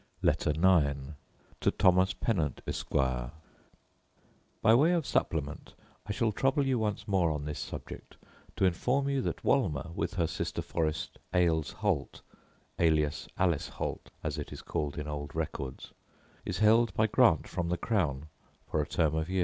Letter IX To Thomas Pennant, Esquire By way of supplement, I shall trouble you once more on this subject, to inform you that Wolmer, with her sister forest Ayles Holt, alias Alice Holt,* as it is called in old records, is held by grant from the crown for a term of years.